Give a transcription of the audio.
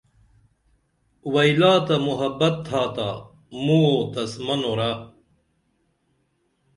وئیلاتہ محبت تھاتا موں او تس منورہ